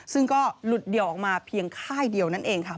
ซึ่งก็หลุดเดี่ยวออกมาเพียงค่ายเดียวนั่นเองค่ะ